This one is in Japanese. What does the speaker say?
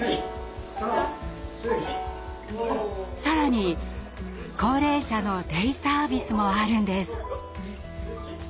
更に高齢者のデイサービスもあるんです。